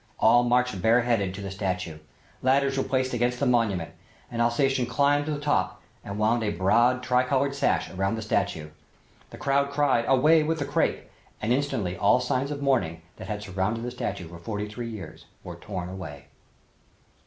All marched bare headed to the statue. Ladders were placed against the monument. An Alsatian climbed to the top and wound a broad tri colored sash around the statue. The crowd cried: "Away with the crepe" and instantly all signs of mourning that had surrounded the statue for forty three years were torn away.